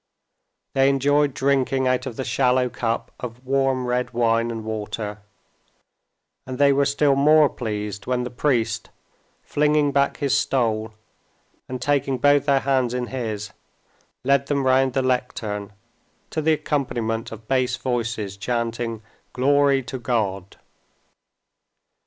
They enjoyed drinking out of the shallow cup of warm red wine and water, and they were still more pleased when the priest, flinging back his stole and taking both their hands in his, led them round the lectern to the accompaniment of bass voices chanting "Glory to God."